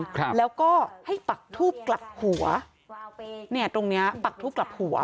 ครับแล้วก็ให้ปักทูบกลับหัวเนี่ยตรงเนี้ยปักทูบกลับหัว